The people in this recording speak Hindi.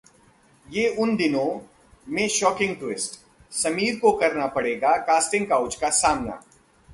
ये उन दिनों... में शॉकिंग ट्विस्ट, समीर को करना पड़ेगा कास्टिंग काउच का सामना